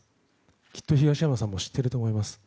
きっと東山さんも知ってると思います。